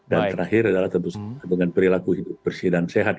dan terakhir adalah tentu saja dengan perilaku bersih dan sehat